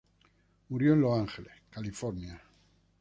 Murió en Los Ángeles, California.